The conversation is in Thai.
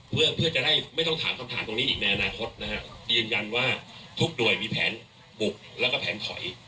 เพื่อเพื่อจะได้ไม่ต้องถามคำถามตรงนี้อีกในอนาคตนะฮะยืนยันว่าทุกหน่วยมีแผนบุกแล้วก็แผนถอย